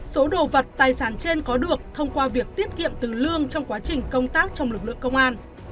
số đồ vật tài sản trên có được thông qua việc tiết kiệm từ lương trong quá trình công tác trong lực lượng công an